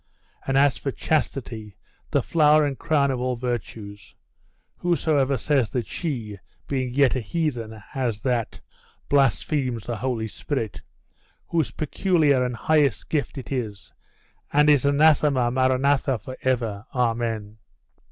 And as for chastity, the flower and crown of all virtues whosoever says that she, being yet a heathen, has that, blasphemes the Holy Spirit, whose peculiar and highest gift it is, and is anathema maranatha for ever! Amen!